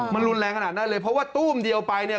มันรุนแรงขนาดนั้นเลยเพราะว่าตู้มเดียวไปเนี่ย